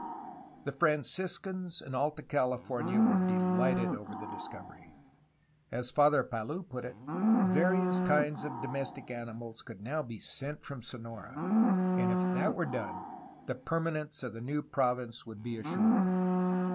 The Franciscans in Alta California were de lighted over the discovery. As Father Palou put it, various kinds of domestic animals could now be sent from Sonora, and if that were done the permanence of the new province would be assured.